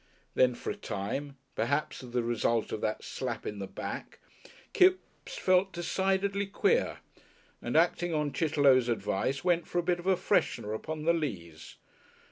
Then for a time perhaps as the result of that slap in the back Kipps felt decidedly queer, and acting on Chitterlow's advice went for a bit of a freshener upon the Leas.